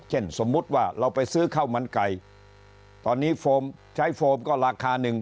สมมุติว่าเราไปซื้อข้าวมันไก่ตอนนี้โฟมใช้โฟมก็ราคาหนึ่ง